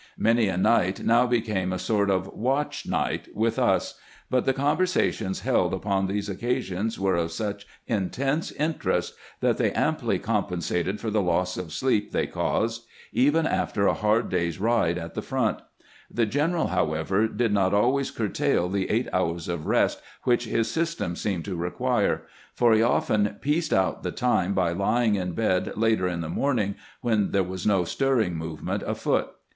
Many a night now became a sort of "watch night" with us; but the conversations held upon these occasions were of such intense interest that they amply compensated for the loss of sleep they caused, even after a hard day's ride at the front. The general, however, did not always curtail the eight hours of rest which his system seemed to require ; for he often WHY GRANT NEVEE SWOEE 251 pieced out the time by lying in bed later in the morning when there was no stirring movement afoot.